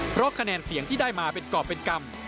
เพราะคะแนนเสียงที่ได้มาเป็นกรอบเป็นกรรม